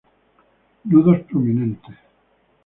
Nudos prominentes.